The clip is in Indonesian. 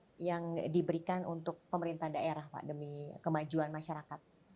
apa yang diberikan untuk pemerintah daerah pak demi kemajuan masyarakat